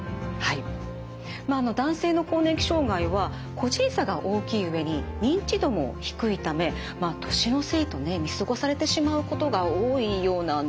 男性の更年期障害は個人差が大きい上に認知度も低いため年のせいとね見過ごされてしまうことが多いようなんです。